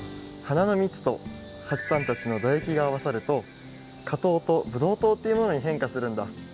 花のみつとはちさんたちのだえきがあわさるとかとうとブドウとうっていうものに変化するんだ。